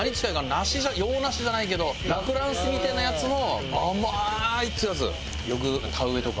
梨洋梨じゃないけどラ・フランスみたいなやつの甘いっていうやつ。